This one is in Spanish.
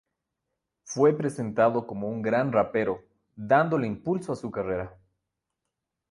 Fue presentado como un gran rapero, dándole impulso a su carrera.